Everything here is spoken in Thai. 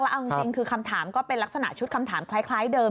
เอาจริงคือคำถามก็เป็นลักษณะชุดคำถามคล้ายเดิม